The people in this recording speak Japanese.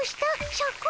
シャク。